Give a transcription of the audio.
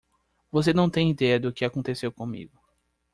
Você não tem idéia do que aconteceu comigo.